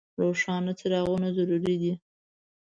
روښانه څراغونه ضروري دي.